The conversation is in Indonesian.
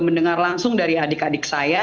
mendengar langsung dari adik adik saya